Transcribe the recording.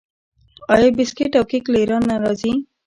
آیا بسکیټ او کیک له ایران نه راځي؟